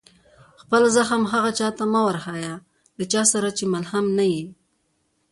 خپل زخم هغه چا ته مه ورښيه، له چا سره چي ملهم نه يي.